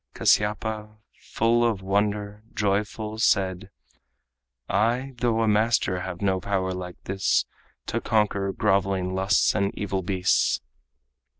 Kasyapa, full of wonder, joyful said: "I, though a master, have no power like this To conquer groveling lusts and evil beasts."